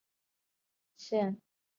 现属于巴林南方省管辖。